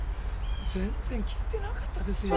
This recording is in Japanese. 全然聞いてなかったですよ。